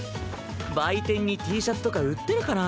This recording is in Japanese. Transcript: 売店にＴシャツとか売ってるかな？